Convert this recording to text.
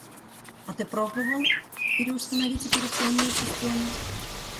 А ты пробовал переустановить операционную систему?